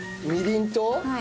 みりんと？